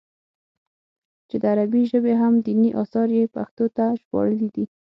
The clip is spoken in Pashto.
چې د عربي ژبې اهم ديني اثار ئې پښتو ته ژباړلي دي